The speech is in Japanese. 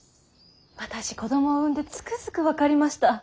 私子供を産んでつくづく分かりました。